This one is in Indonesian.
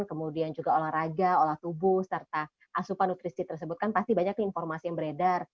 kemudian juga olahraga olah tubuh serta asupan nutrisi tersebut kan pasti banyak nih informasi yang beredar